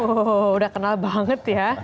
oh udah kenal banget ya